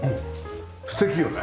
素敵よね。